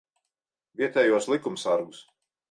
Vietējos likumsargus.